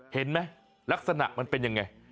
เห็นไหมลักษณะมันเป็นยังไง